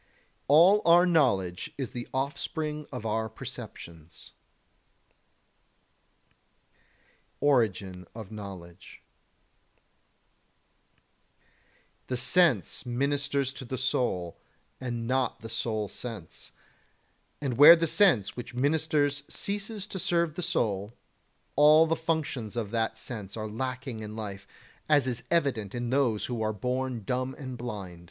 35. All our knowledge is the offspring of our perceptions. [Sidenote: Origin of Knowledge] 36. The sense ministers to the soul, and not the soul sense; and where the sense which ministers ceases to serve the soul, all the functions of that sense are lacking in life, as is evident in those who are born dumb and blind.